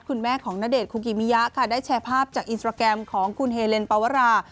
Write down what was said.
คุณแม่ของณเดชนคุกิมิยะค่ะได้แชร์ภาพจากอินสตราแกรมของคุณเฮเลนปาวรา